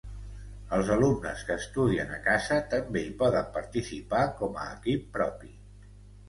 Els alumnes que estudien a casa també hi poden participar com a equip propi.